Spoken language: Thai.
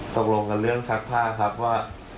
สังโรงกับเรื่องซักผ้าครับว่า